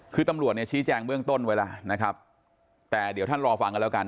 คือตำรวจเนี่ยชี้แจงเบื้องต้นไว้แล้วนะครับแต่เดี๋ยวท่านรอฟังกันแล้วกัน